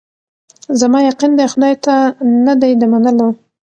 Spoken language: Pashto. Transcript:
زما یقین دی خدای ته نه دی د منلو